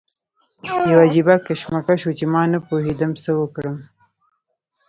یو عجیبه کشمکش و چې ما نه پوهېدم څه وکړم.